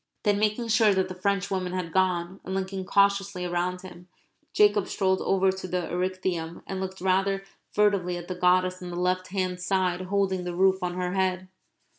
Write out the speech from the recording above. Then, making sure that the Frenchwomen had gone, and looking cautiously round him, Jacob strolled over to the Erechtheum and looked rather furtively at the goddess on the left hand side holding the roof on her head.